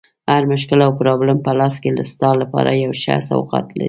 هر مشکل او پرابلم په لاس کې ستا لپاره یو ښه سوغات لري.